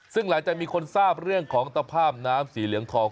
ซึ่งหลังจากมีคนทราบเรื่องของตภาพน้ำสีเหลืองทอง